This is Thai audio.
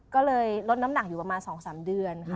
ก็เลยลดน้ำหนักอยู่ประมาณ๒๓เดือนค่ะ